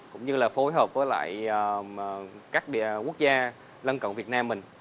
cũng như là phối hợp với lại các quốc gia lân cộng việt nam mình